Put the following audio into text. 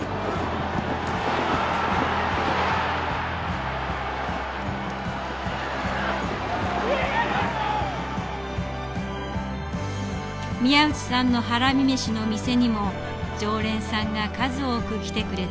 宮内さんのハラミメシの店にも常連さんが数多く来てくれた。